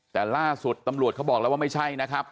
แต่ล่าสุดตำรวจเขาบอกแล้วว่าไม่ใช่นะครับ